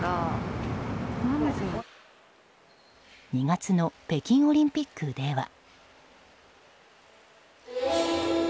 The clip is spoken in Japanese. ２月の北京オリンピックでは。